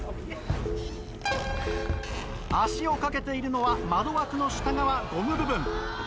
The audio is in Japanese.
足をかけているのは窓枠の下側ゴム部分。